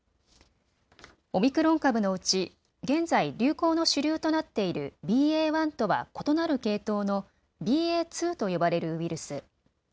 オミクロン株のうち、現在、流行の主流となっているＢＡ．１とは異なる系統のＢＡ．２と呼ばれるウイルス。